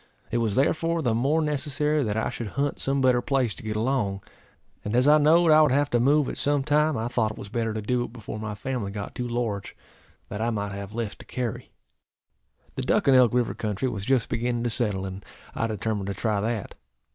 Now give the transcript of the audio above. It was therefore the more necessary that I should hunt some better place to get along; and as I knowed I would have to move at some time, I thought it was better to do it before my family got too large, that I might have less to carry. The Duck and Elk river country was just beginning to settle, and I determined to try that.